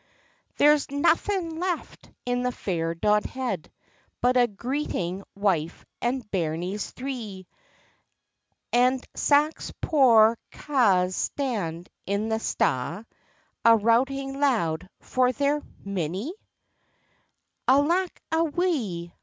"There's naething left in the fair Dodhead, But a greeting wife and bairnies three, And sax poor câ's stand in the sta', A' routing loud for their minnie." "Alack a wae!"